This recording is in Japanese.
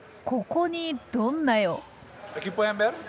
ここにどんな絵を？